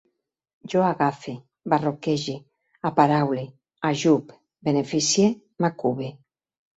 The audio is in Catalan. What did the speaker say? Jo agafe, barroquege, aparaule, ajup, beneficie, m'acube